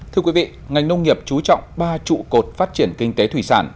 thưa quý vị ngành nông nghiệp trú trọng ba trụ cột phát triển kinh tế thủy sản